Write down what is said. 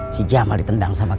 si jamal ditendang sama dia